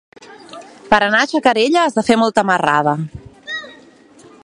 Per anar a Xacarella has de fer molta marrada.